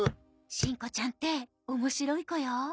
しんこちゃんって面白い子よ。